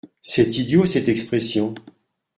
C’est idiot cette expression.